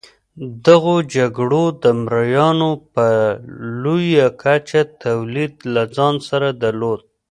دغو جګړو د مریانو په لویه کچه تولید له ځان سره درلود.